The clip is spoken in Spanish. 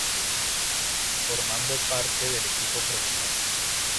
Formando parte del equipo profesional.